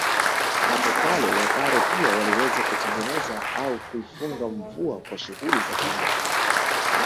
Hapo kale wapare pia waliweza kutengeneza au kuifunga mvua kwa shughuli za kijadi